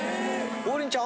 王林ちゃん